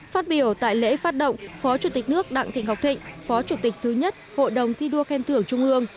phát biểu tại lễ phát động phó chủ tịch nước đặng thị ngọc thịnh phó chủ tịch thứ nhất hội đồng thi đua khen thưởng trung ương